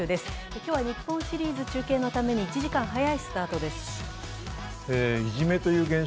今日は日本シリーズ中継のために１時間早いスタートです。